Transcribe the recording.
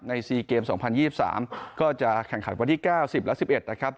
๔เกม๒๐๒๓ก็จะแข่งขันวันที่๙๐และ๑๑นะครับ